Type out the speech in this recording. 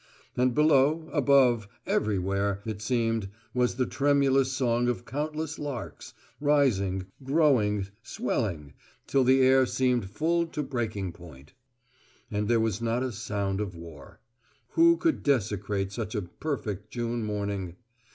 And below, above, everywhere, it seemed, was the tremulous song of countless larks, rising, growing, swelling, till the air seemed full to breaking point. And there was not a sound of war. Who could desecrate such a perfect June morning?